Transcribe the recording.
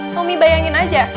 rum mie bayangin aja